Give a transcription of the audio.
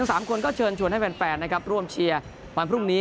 สามคนก็เชิญชวนให้แฟนนะครับร่วมเชียร์วันพรุ่งนี้